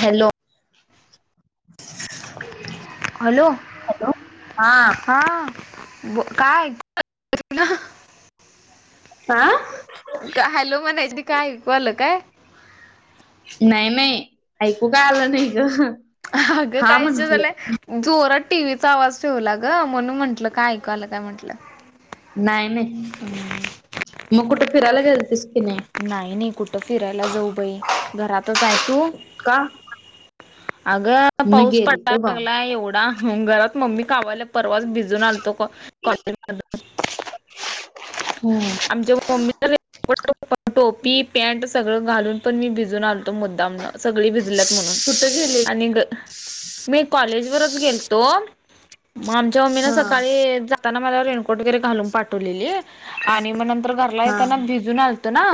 Hello hello हा ब काय हा हॅलो मनजी काय ऐकवालं काय नाही नाही ऐकू का आलं नाही ग अगं हा काहीच झाला म्हंटलं जोरात टीव्हीचा आवाज ठेवला ग म्हणून म्हंटलं काय ऐकायला काय म्हटलं नाही नाही मग कुठं फिरायला गेल तस की नाही नाही नाही कुठं फिरायला जाऊ बाई घरातच आहे तू का. अगं मी पाऊस गेलतो पडायला भावा लागलाय एवढा ह घरात मम्मी कावायल्या परवास भिजून आल्तो कॉ कॉलेज मदन. हम्म आम जेव्हा. मम्मी तर टोपी पॅन्ट सगळं घालून पण मी भिजून आणलतो मुद्दामनं. सगळी भिजल्यात म्हणून हो गेली आणि ग मी कॉलेजवररच गेलतो मग आमच्या मम्मी ना हा सकाळी जाताना मला रेनकोट वगैरे घालून पाठवलेली आणि मग नंतर घरला हा येताना भिजून आलतो ना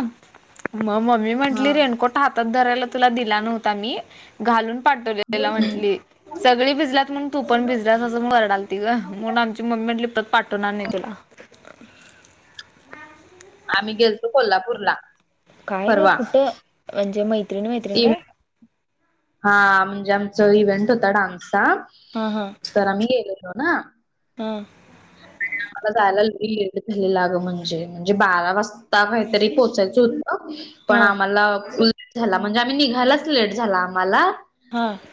मग मम्मी हा म्हंटली रेनकोट ह धला तु दि न्ही घा म्ह सग भिजलात म्हण तू पण भिला घरडालती ग म्हणून आमची मम्मी लिपत पाठवणार नाही तुला आम्ही गेलतो कोल्हापूर ला काय का कुठं म्हणजे मैत्रिण मैत्रिण काय इव्हेंट हा म्हणजे आमचा इव्हेंट होता डान्सचा हा हा र मीो ना हां मला जायला लेट झालेलंग म्हणजे म्हणजे बारा वाजता काहीतरी पोहचाल. हो पण हा आम्हाला उ झाला म्हणजे आम्ही निघायलाच लेट झाला आम्हाला.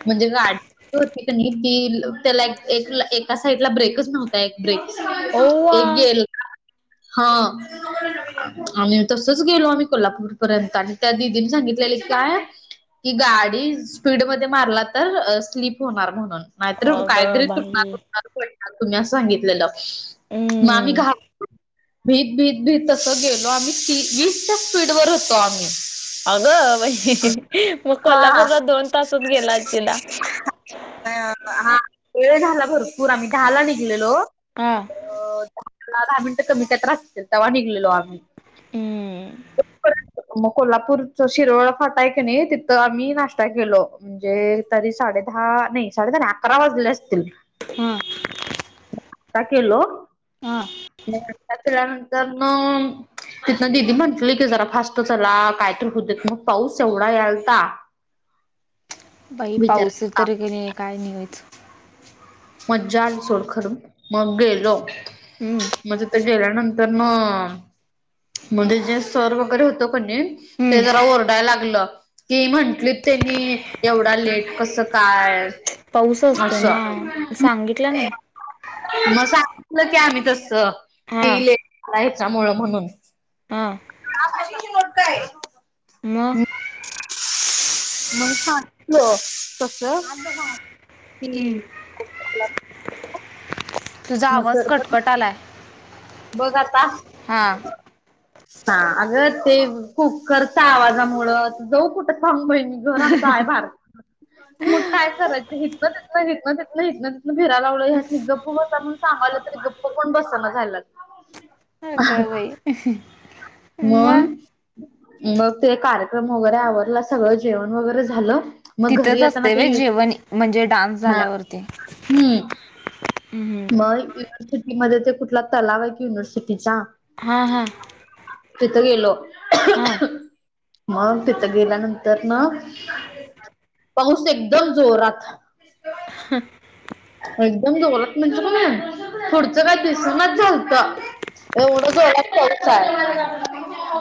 म्हणजे गाडी होती की त्याला एका साईड ला ब्रेकच नव्ह ब्रिक ओवा एक गेल हा. आणिम् तसच गेलो आम्ही कोल्हापूर पर्यंत आणि त्या दिदीने सांगितलेलं की काय कि गाडी स्पीडमध्ये मारला तर स्लीप होणार म्हणून. नाहीतर काहीतरी अगं बाई सुटणारणार तुम्ही अस सांगितलेलं मग आम्ही हम्म घा भीत भीत भीत तसं गेलो आम्ही वीस स्पीड वर होतो आम्ही. अगं बाई मग हा हा. कोल्हापूरला दोन तासात गेला असशीला नही आता हा वेळ झाला भरपूर आम्ही दहाला निघलेलो. हा अ दहा [unintelligible] दहा मिनटं कमी त्या त्रास असतील तेव्हा निघलेलो आम्ही. हम्म अ म कोल्हापूरचा शिरवळा फाटायक नाही तिथं आम्ही नाश्ता केलो. म्हणजे तरी साडे दहा नाही साडे दहानाही अकरा वाजले असतील. हां. काय केेलो. हा. [unintelligible] आपल्यानंतर मग. तिथन दिदी म्हंटले की जरा फास्ट चला कायतरी होत [unintelligible] मग पाऊस एवढा यालता. ह [inaudible] बाई पाऊस ईतरी क नाही काय नाही [unintelligible] ह्यच. मजा आली सोडखर मग गेलो हम्म म तीथ गेल्यानं तर म म्हणजे जे सर वगैरे होतो कणी ते हम्म जरा ओरडायला लाग गल की म्हंटली त्यांनी एवढा लेट कस काय, पाऊस असतो ना, असं सांगितलं नाही. मग सांगितलं की आम्ही तस हा की [unintelligible] लेयच्या मुळ म्हणून. हां. ह अशी बोलतंय. [unintelligible] मग मग सांगितलो तस. [unintelligible] किनी हम्म [unintelligible] तुझा आवाज पण कटकट आलाय. बघ आता. हा. ह अगं ते कुकरचा आवाजामुळ जाऊ कुठं थांब बईन. घर आमच आहे भारत मग काय करायच हितन तिथन हितन तिथन हितन फिराय लागलो ह्यासनी गप्प बसा म्हणून सांगालं तरी गप्प पण बसना झाल्यात. हा का बाई. मग मंग मग ते कार्यक्रम वगैरे आवरला सगळं जेवण वगैरे झालं. मग घरी तिथंच येताना असते वे ते जेवण म्हणजे डान्स हा झाल्यावरती. अ हम्म. अय युनिव्हर्सिटी मध्ये ते कुठला तलाव आहे की युनिव्हर्सिटीचा. हा हा. तिथं गेलो. हा. मग तिथं गेल्यानंतर ना, पाऊस एकदम जोरात. ह. एकदम जोरात म्हणते कनाय पुढचं काय दिसणाच झालंत. [unintelligible] का एवढं जोरात पाऊस हाय. [unintelligible]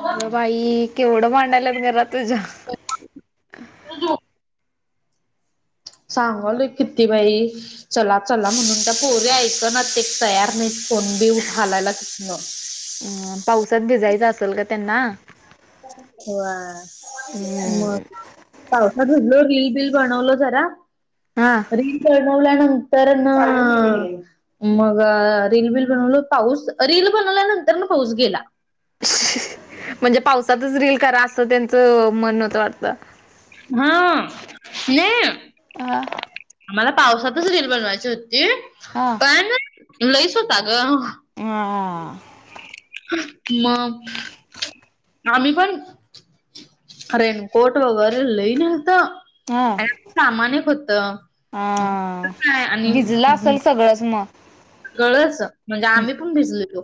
अग बाई केव्हडं भांडाल्यात घरात तूझ्या. जा झोप. [unintelligible] सांगल किती बाई. चला चला म्हणून त्या पोरी ऐंक ना, ते तयार नाही कोण बी उठ हालायला तिथन. हम्म पावसात भिजायच असेल ग त्यांना. वा ह हम्म. मग. [unintelligible] पावसात भिजलो की बिल बनवल जरा. हा. रील बनवल्यानंतर न. मग रील बिल बनवल पाऊस रील बनवल्यानंतर ना, पाऊस गेला. [unintelligible] म्हणजे पावसातच रील करा असं त्यांचं मन व्हतं वाटत. हा, नाही आ मला पावसातच रिल बनवायची होती, आ पण लईच होता ग. आ मग आम्ही पण रेनकोट वगैरे लई नेलत. आ आणि सामान एक होत. आ. कुठं काय आणि भिजलं असेल सगळंच मग सगळच म्हणजे आम्ही पण भिजलेलो.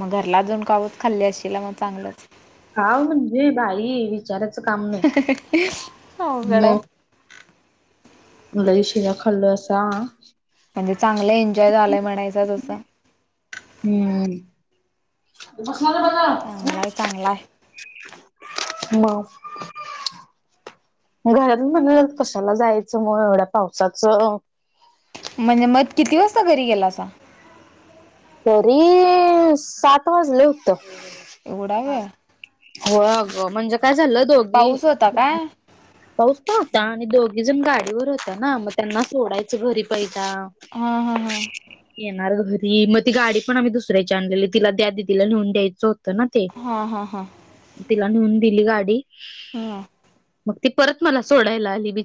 मग घरला जाऊन कावच खाल्ली असशीला मग चांगलंच. काव म्हणजे बाई विचाराचं काम नाही. अवघड आहे. मग लई शिव्या खाल्लो अशा म्हणजे चांगला एन्जॉय झालाय म्हणायचा तसा. हम्म. चांगलाय चांगलाय मग घरातली म्हणायल्यात कशाला जायचं मग एवढ्या पावसाचं. म्हणजे मग किती वाजता घरी गेलासा? तरी सात वाजले होत. एवढा वेळ होह अगं म्हणजे काय झालं दोघ पाऊस होता काय? पाऊस तर होता आणि दोघी जण गाडीवर होतो ना, मग त्यांना सोडायचं घरी पाहिला हा, हा, हा. येणार घरी मग ती गाडी पण आम्ही दुसऱ्याची आणलेली तिला त्या दिदीला नेऊन द्यायचं हो त ना ते, हा हा हा तिला नेऊन दिली गाडी. हा मग ती परत मला सोडायला आली. बि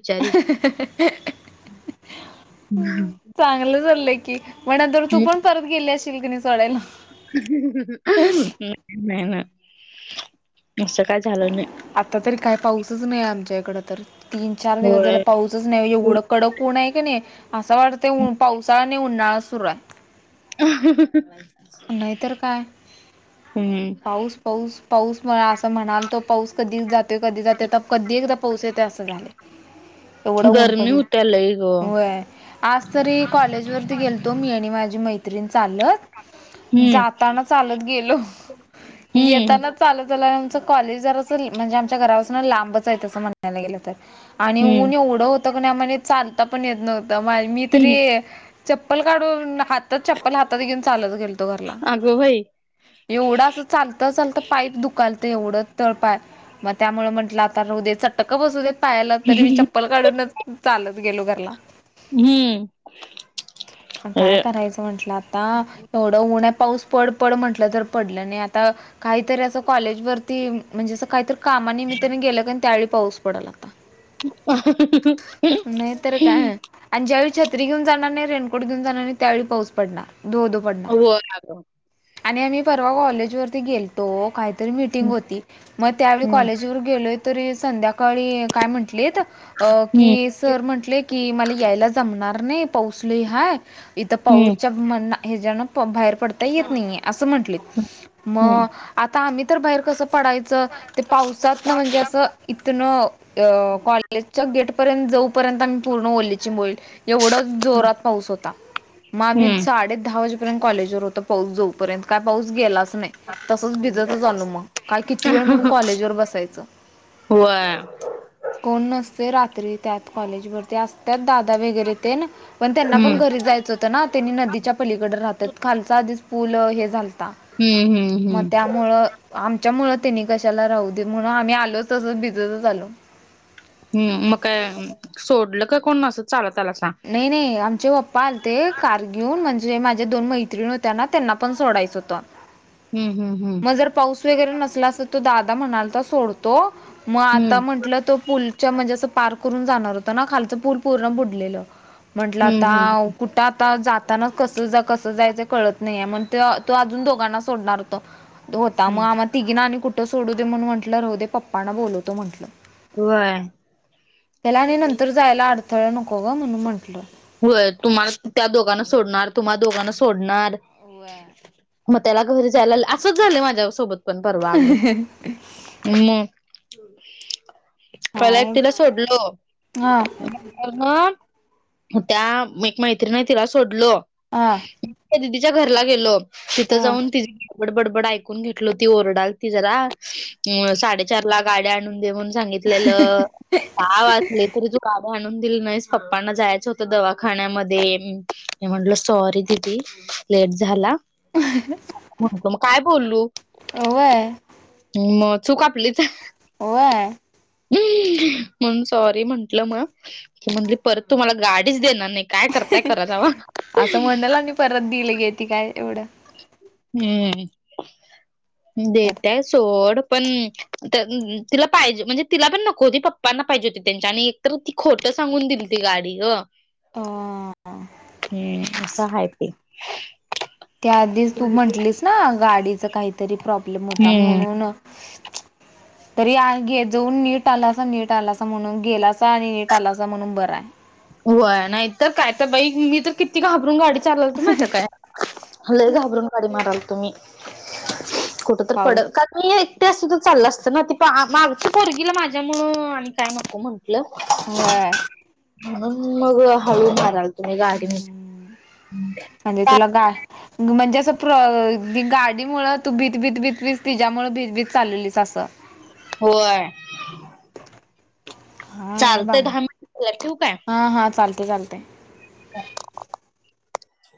हम्म चांगलं चाललंय की. मग नंतर तू पण परत गेली असशील कनई सोडायला. नाही नाही ना, असं काय झालं नाही. आता तरी काय पाऊसच नाही आमच्या इकडं तर, तीन चार दिवस झालं होय पाऊस ऊन हाय एवढं कडक ऊन आहे की नाही, असं वाटतंय पावसाळा आणि उन्हाळाच सुरू आहे. [unintelligible] नाहीतर काय. हम्म पाऊस पाऊस पाऊस मग असं म्हणालतो पाऊस कधी जातोय, कधी जातोय आता कधी एकदा पाऊस येतोय असं झालंय. [inaudible] एवढं ऊन पडलंय. होत्या लई ग व्हय आज तरी कॉलेजवरती गेलतो मी आणि माझी मैत्रीण चालत हम्म जाताना चालत गेलो, हम्म येताना चालत आलो. आमच कॉलेज जरास म्हणजे आमच्या घरापासन लांबच हाय तस म्हणायला गेलं तर आणि हम्म ऊन एवढं होत की नाही आम्हाला चालता पण येत नव्हतं. मी हम्म. तरी चप्पल काढून हातात चप्पल खातात घेऊन चालत गेलतो घरला. अगं बाई एवढा चालत चालता पाय दुखालतं एवढं तळपाय. मग त्यामुळं म्हटलं आता राहूदेत चटक बसूदेत पायाला, तरी मी चप्पल काढूनच चालत गेलो घरला. हम्म मग काय हे करायचं म्हटलं आता एवढं ऊन हाय पाऊस पड पड म्हटलं तर पडलं नाही आणि आता काहीतरी असं कॉलेजवरती म्हणजे असं काहीतरी कामा निमित्तानं गेलं कनई, त्यावेळी पाऊस पडलं आता. नाही तर काय. आणि ज्यावेळी छत्री घेऊन जाणार नाही, रेनकोट घेऊन जाणार नाही त्यावेळी पाऊस पडणार धो-धो. होय आग. आणि आम्ही परवा कॉलेज वरती गेलतो काय त मीटिंग हम्म होती मग त्यावेळी हम्म कॉलेजवर गेलोय तरी संध्याकाळी काय म्हंटली. अ की सर म्हंटले की मला यायला जमणार नाही पाऊसल हाय. इथं हम्म पाऊसच्या म्हण. हे जण बाहेर पडता येत नाहीे असं म्हंटले मग हम्म आता आम्ही तर बाहेर कस. पडायच ते पावसात ना म्हणजे असं इथन कॉलेज गेट. पर्यंत जाऊ पर्यंत पूर्ण ओली बल एवढ जोरात पाऊस होता हम्म मगमी हम्म. साडे दहा वाजे. र्य कॉलेज व हों पाऊस जऊपर्यंत काय पाऊस गेलाच नाही तसच भिजत झा आलो मग काय किती वेळ म्हणून कॉलेज वर बसायचं. होय कोण नसते रात्री त्यात कॉलेजवररती असते. त्यात दादा वगैरे ते ना पण त्यांना हम्म पण घरी जायचं. [unintelligible] त्यांनी नदीच्या पलीकडं राहतात. खालच आधीच फुलं हे झालतात हम्म हम्म मग हम्म त्यामुळं आमच्या मुळ त्यांनी कशाला राहू दे म्हणून आम्ही आलोच तसच भिजतच आलो. हम् मग काय सोडलं का कोण न असं चालत आला सां. नाही नाही आमचे पप्पा आलते कार घेऊन म्हणजे माझ्या दोन मैत्रिणी होत्या ना त्यांना पण सोडायचं होतं. हम्म हम्म हम्म मग जर पाऊस वगैरे नसला अस तो दादा म्हणाल सोडतो मग आता म्हंटल तोल म्हणजे असं पार्क करून जाणार होत ना खालच पूल पूर्ण बुडलेलं म्हंटलं हम्म हम्म हम्म आताुठ आता जाता कस कसं जायच कळत नाहीय मण तो अजून दोघांना सोडणार होत. होता मग हम्म आम्हा तिघीना आणि कुठं सोडू दे म्हणून म्हटलं राहू दे पप्पाना बोलवतो म्हटलं. होय. त्याला आणि नंतर जायला अडथळा नको ग म्हणून म्हंटलं. होय तुम्हाला त्या दोघांना सोडणार, तुम्हा दोघांना सोडणार. व्हय मग त्याला घरी जायला असंच झालं माझ्या सोबत पण परवाग. हम पला एक काय तिला सोडलो हा मग त्या एक मैत्रीिणी तिला सोडलो हा दिदीच्या घरला गेलो. तिथं हा जाऊन ति बडबडबडबड ऐकून घेतल हो ती ओरडाल ती जरा अ साडेचार ला गाड आणून देऊन सांगित गावचले तरी तू गाड आणून दिली नाहीस पप्पांना जायच. होत दवाखान्यामध्ये म्हटलं सॉरी दिदी लेट झाला. हो मग काय बोललू. अह होय. मग चूक आपलीच. हो य हम् मण सॉरी म्हंटलं मग म्ह परत तुम्हाला गाडीच देणार नाही. काय करताय करा जावा. असं म्हणल आणि परत दिल गे ती काय एवढं. हम्म. तर देत्याय सोड. पण त तिला पाहिजे म्हणजे तिला पण नको होती पप्पांना पाहिजे होती त्यांच्या. आणि तर ती खोटं सांगून दिलती गाडी ग. अ. हम्म. असं हाय ते. त्याआधीच तू म्हटलीस ना, गाडीचा काहीतरी प्रॉब्लेम होता हम्म म्हणून. [inaudible] तरी आ गे जाऊन नीट आलासा नीट आलासा म्हणून गेलासा आणि नीट आलासा म्हणून बर आहे. होय नाहीतर काय तर बाई. मी तर किती घाबरून गाडी चालवतो माहिती काय. लय घाबरून गाडी मारालतो मी. कुठ तर पड पाऊस का मी एकटी सुद्धा चाललं असतं ना. ते प मागची पोरगीला माझ्यामुळ आणि काय नको म्हंटलं. व्हय. म्हणून मग हळू मारालतो मी गाडी मी. हं. म्हणजे तुला गा म्हणजे असं प्र दी गाडी मुळं तू भीत भीत भीत भीत तिज्यामुळं भीत भीत चाललेलीस असं. होय. चालतय दहा मिनिट ठेवु काय. हं हं. चालतेय चालतेय. [inaudible]